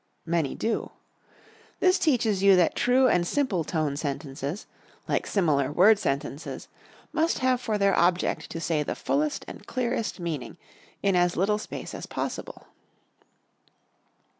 Many do. This teaches you that true and simple tone sentences, like similar word sentences, must have for their object to say the fullest and clearest meaning in as little space as possible.